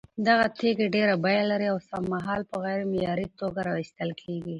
دغه تېږې ډېره بيه لري، اوسمهال په غير معياري توگه راايستل كېږي،